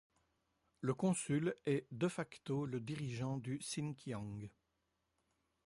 Le consul est de facto le dirigeant du Xinjiang.